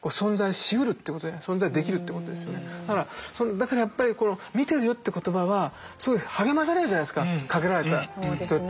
だからやっぱり「見てるよ」っていう言葉はすごい励まされるじゃないですかかけられた人って。